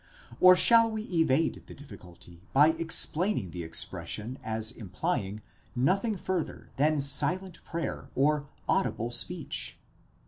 Or shall we evade the difficulty by explaining the expression as implying nothing further than silent prayer or audible speech